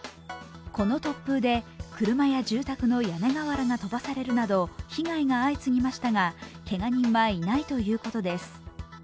この突風で車や住宅の屋根瓦が飛ばされるなど被害が相次ぎましたがけが人はいないということです。